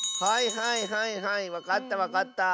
はいはいはいわかったわかった。